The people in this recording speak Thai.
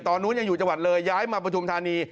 ตอนนั้นยังอยู่จังหวัดเลยย้ายมาปฐุมธานี